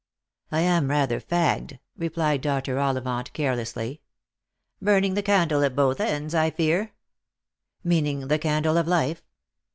" I am rather fagged," replied Dr. Ollivant carelessly. " Burning the candle at both ends, I fear." " Meaning the candle of life